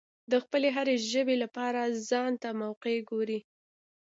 د خپلې هرې ژبې لپاره ځانته موقع ګوري.